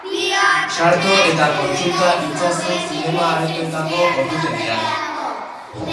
Sartu eta kontsulta itzazu zinema-aretoetako ordutegiak.